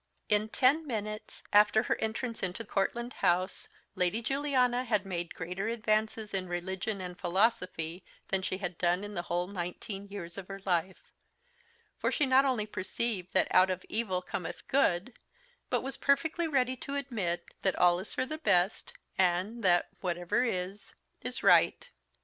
In ten minutes after her entrance into Courtland house Lady Juliana had made greater advances in religion and philosophy than she had done in the whole nineteen years of her life; for she not only perceived that "out of evil cometh good," but was perfectly ready to admit that "all is for the best," and that "whatever is, is right."